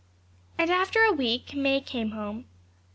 And after a week May came home.